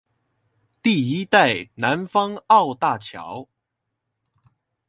第一代南方澳大橋